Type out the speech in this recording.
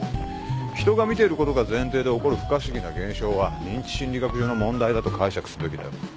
人が見ていることが前提で起こる不可思議な現象は認知心理学上の問題だと解釈すべきだよ。